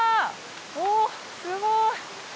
おおすごい！